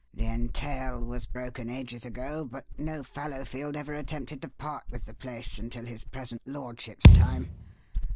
The entail was broken ages ago, but no Fallowfield ever attempted to part with the place until his present lordship's time.